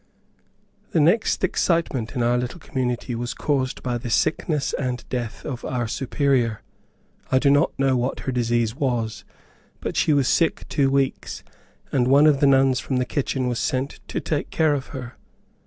The next excitement in our little community was caused by the sickness and death of our Superior. I do not know what her disease was, but she was sick two weeks, and one of the nuns from the kitchen was sent to take care of her.